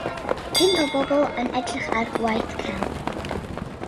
Pump o bobl yn edrych ar waith celf.